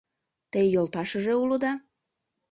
— Те йолташыже улыда?